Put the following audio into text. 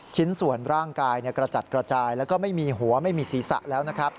ชิ้นส่วนร่างกายกระจัดกระจายแล้วก็ไม่มีหัวไม่มีศีรษะแล้วนะครับ